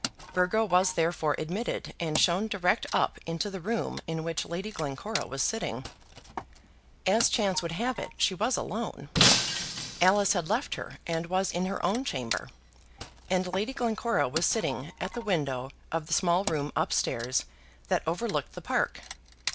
Burgo was therefore admitted and shown direct up into the room in which Lady Glencora was sitting. As chance would have it, she was alone. Alice had left her and was in her own chamber, and Lady Glencora was sitting at the window of the small room up stairs that overlooked the Park.